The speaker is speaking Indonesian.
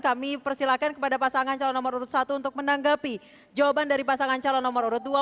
kami persilahkan kepada pasangan calon nomor urut satu untuk menanggapi jawaban dari pasangan calon nomor urut dua